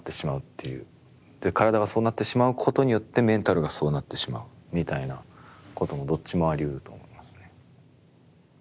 体がそうなってしまうことによってメンタルがそうなってしまうみたいなこともどっちもありうると思いますね。